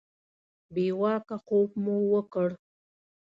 بې واکه خوب مو وکړ.